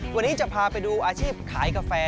วันนี้จะพาไปดูอาชีพขายกาแฟ